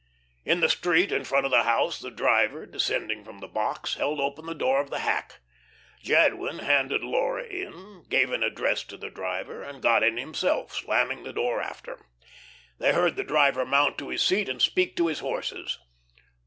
In the street in front of the house the driver, descending from the box, held open the door of the hack. Jadwin handed Laura in, gave an address to the driver, and got in himself, slamming the door after. They heard the driver mount to his seat and speak to his horses.